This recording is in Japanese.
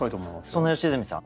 そんな良純さん